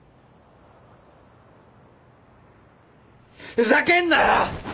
ふざけんなよ！